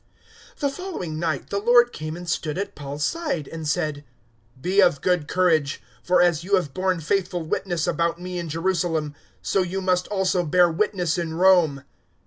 023:011 The following night the Lord came and stood at Paul's side, and said, "Be of good courage, for as you have borne faithful witness about me in Jerusalem, so you must also bear witness in Rome."